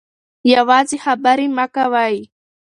یوازې خبرې مه کوئ.